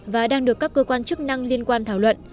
và đang được các cơ quan chức năng liên quan thảo luận